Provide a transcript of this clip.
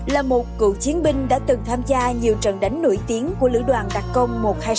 là một cựu chiến binh đã từng tham gia nhiều trận đánh nổi tiếng của lữ đoàn đặc công một trăm hai mươi sáu